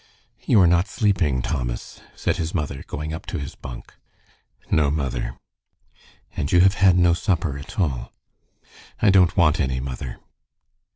"You are not sleeping, Thomas," said his mother, going up to his bunk. "No, mother." "And you have had no supper at all." "I don't want any, mother."